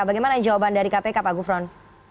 bagaimana jawaban dari kpk pak gufron